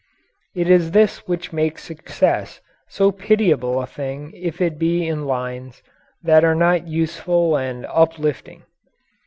It is this which makes success so pitiable a thing if it be in lines that are not useful and uplifting.